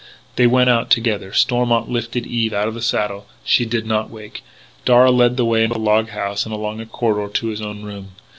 They went out together. Stormont lifted Eve out of the saddle. She did not wake. Darragh led the way into the log house and along a corridor to his own room.